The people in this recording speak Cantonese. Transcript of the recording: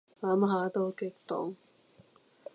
諗下都激動